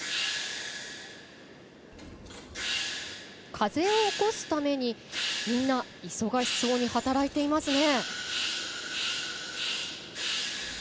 風を起こすためにみんな忙しそうに働いていますね。